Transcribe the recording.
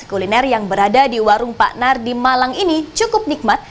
kuliner yang berada di warung pak nar di malang ini cukup nikmat